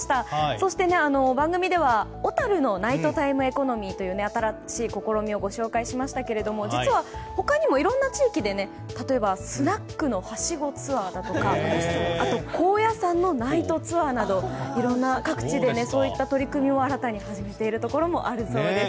そして、番組では小樽のナイトタイムエコノミーという新しい試みをご紹介しましたが実は他にもいろんな地域で例えば、スナックはしごツアーやあと高野山のナイトツアーなど各地で、いろんなそういった取り組みを新たに始めているところもあるそうです。